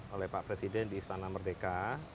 oleh pak presiden di istana merdeka